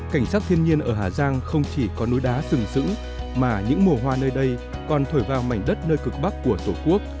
cảnh sắc thiên nhiên ở hà giang không chỉ có núi đá sừng sững mà những mùa hoa nơi đây còn thổi vào mảnh đất nơi cực bắc của tổ quốc